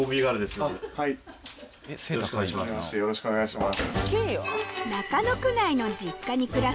よろしくお願いします。